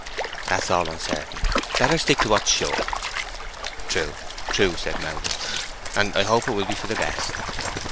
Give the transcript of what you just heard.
"That's all uncertain. Better stick to what's sure." "True, true," said Melbury; "and I hope it will be for the best.